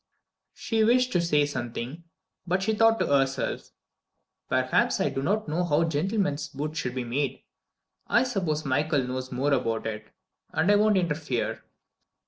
She wished to say something, but she thought to herself: "Perhaps I do not understand how gentleman's boots should be made. I suppose Michael knows more about it and I won't interfere."